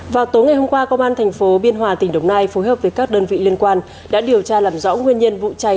vào tối ngày hôm qua công an thành phố biên hòa tỉnh đồng nai phối hợp với các đơn vị liên quan đã điều tra làm rõ nguyên nhân vụ cháy